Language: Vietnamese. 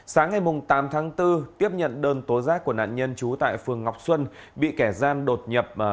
sáng ngày tám tháng bốn tiếp nhận đơn tố giác của nạn nhân trú tại phường ngọc xuân bị kẻ gian đột nhập